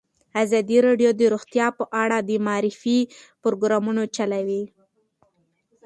ازادي راډیو د روغتیا په اړه د معارفې پروګرامونه چلولي.